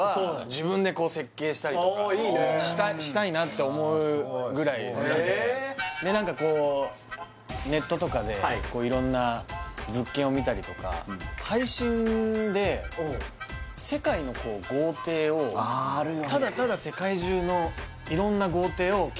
おいいねしたいなって思うぐらい好きで何かこうネットとかで色んな物件を見たりとか配信で世界の豪邸をただただ世界中の色んなひたすら